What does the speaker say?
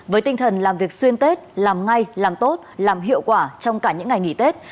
với tinh thần làm việc xuyên tết làm ngay làm tốt làm hiệu quả trong cả những ngày nghỉ tết